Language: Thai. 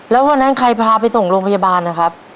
แล้ววันนั้นใครพาไปส่งโรงพยาบาลนะครับ